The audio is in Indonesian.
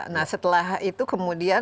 nah setelah itu kemudian